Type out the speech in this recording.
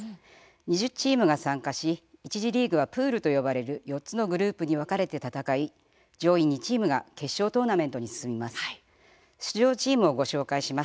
２０チームが参加し一次リーグはプールと呼ばれる４つのグループに分かれて戦い上位２チームが決勝トーナメントに進みます。